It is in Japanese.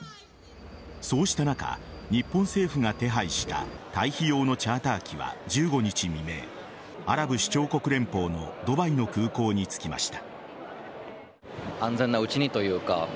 そうした中、日本政府が手配した退避用のチャーター機は１５日未明アラブ首長国連邦のドバイの空港に着きました。